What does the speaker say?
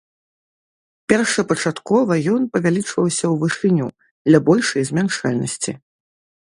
Першапачаткова ён павялічваўся ў вышыню, для большай змяшчальнасці.